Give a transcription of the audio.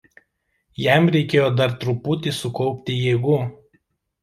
Jam reikėjo dar truputi sukaupti jėgų.